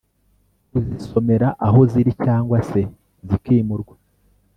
kuzisomera aho ziri cyangwa se zikimurwa